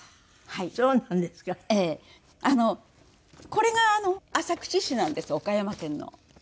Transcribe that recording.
これが浅口市なんです岡山県の。